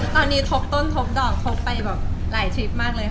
ตอนนี้ทบต้นทบดอกทกไปแบบหลายทริปมากเลย